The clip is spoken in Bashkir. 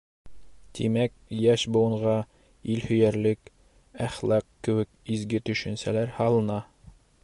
Тимәк, йәш быуынға илһөйәрлек, әхлаҡ кеүек изге төшөнсәләр һалына.